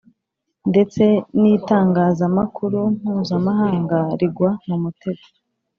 ndetse n'itangazamakuru mpuzamahanga rigwa mu mutego